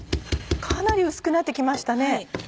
かなり薄くなって来ましたね。